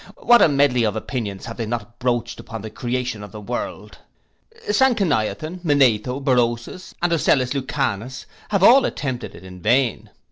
What a medly of opinions have they not broached upon the creation of the world? Sanconiathon, Manetho, Berosus, and Ocellus Lucanus, have all attempted it in vain.